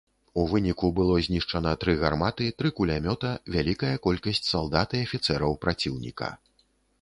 У выніку было знішчана тры гарматы, тры кулямёта, вялікая колькасць салдат і афіцэраў праціўніка.